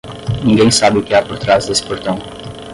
Ninguém sabe o que há por trás desse portão.